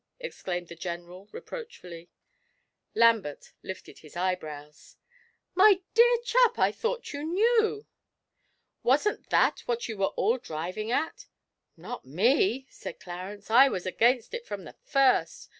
exclaimed the General reproachfully. Lambert lifted his eyebrows. 'My dear chap, I thought you knew. Wasn't that what you were all driving at?' 'Not me,' said Clarence. 'I was against it from the first.